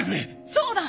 そうだ！